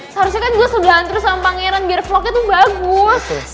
seharusnya kan gue suka antri sama pangeran biar vlognya tuh bagus